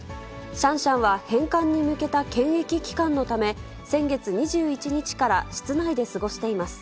シャンシャンは返還に向けた検疫期間のため、先月２１日から室内で過ごしています。